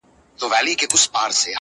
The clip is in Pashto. سړي وویل ستا ورور صدراعظم دئ؛